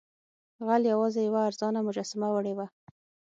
غل یوازې یوه ارزانه مجسمه وړې وه.